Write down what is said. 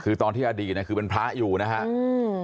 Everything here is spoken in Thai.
คือตอนที่อดีตคือเป็นพระอยู่นะครับ